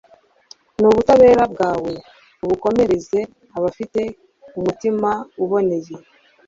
n’ubutabera bwawe ubukomereze abafite umutima uboneye